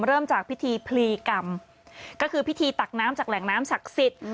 เริ่มจากพิธีพลีกรรมก็คือพิธีตักน้ำจากแหล่งน้ำศักดิ์สิทธิ์